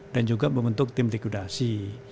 dan juga membentuk tim likudasi